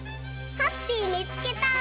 ハッピーみつけた！